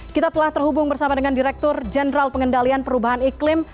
kita telah terhubung bersama dengan direktur jenderal pengendalian perubahan iklim